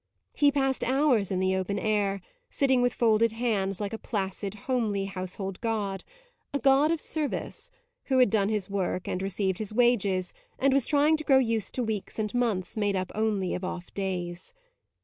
He passed hours in the open air, sitting with folded hands like a placid, homely household god, a god of service, who had done his work and received his wages and was trying to grow used to weeks and months made up only of off days.